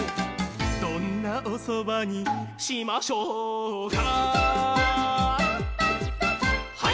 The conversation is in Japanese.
「『どんなおそばにしましょうか？』」「」「ハイ！」